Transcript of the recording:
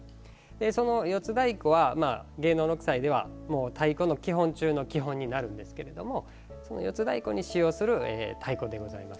その「四つ太鼓」では芸能六斎では太鼓の基本中の基本になるんですけれどもその「四つ太鼓」に使用する太鼓でございます。